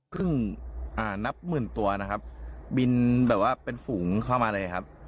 อ่านับหมื่นตัวนะครับบินแบบว่าเป็นฝูงเข้ามาเลยครับ